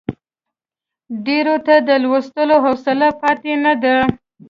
ډېریو ته د لوستلو حوصله پاتې نه ده.